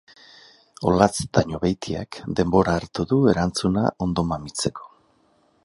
Olatz Dañobeitiak denbora hartu du erantzuna ondo mamitzeko.